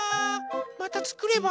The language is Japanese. またつくれば？